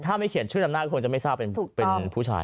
ถ้าไม่เขียนชื่อลำนานคุณคงไม่ทราบเป็นผู้ชาย